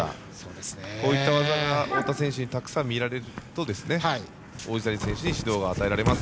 こういった技が太田選手にたくさん見られると王子谷選手に指導が与えられます。